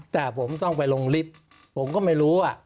แต่ผมต้องไปลงลิฟต์ผมก็ไม่รู้